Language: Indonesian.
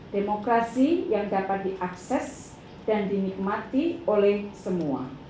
demokrasi yang dapat diakses dan dinikmati oleh semua